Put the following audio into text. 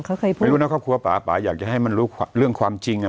เขาเคยพูดไม่รู้นะครอบครัวป่าป่าอยากจะให้มันรู้เรื่องความจริงอ่ะ